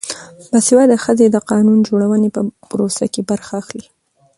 باسواده ښځې د قانون جوړونې په پروسه کې برخه اخلي.